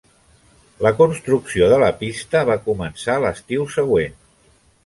La construcció de la pista va començar l'estiu següent.